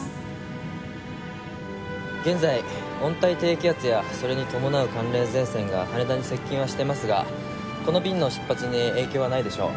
現在温帯低気圧やそれに伴う寒冷前線が羽田に接近はしてますがこの便の出発に影響はないでしょう。